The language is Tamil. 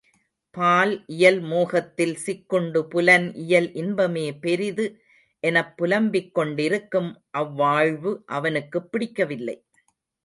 பால் இயல் மோகத்தில் சிக்குண்டு புலன் இயல் இன்பமே பெரிது எனப் புலம்பிக் கொண்டிருக்கும் அவ்வாழ்வு அவனுக்குப் பிடிக்கவில்லை.